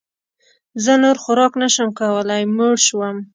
زه نور خوراک نه شم کولی موړ شوم